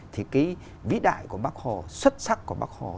thì cái vĩ đại của bác hồ xuất sắc của bác hồ